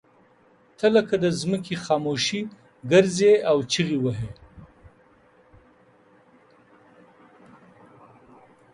ته لکه د ځمکې خاموشي ګرځې او چغې وهې.